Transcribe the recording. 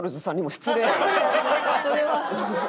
それは。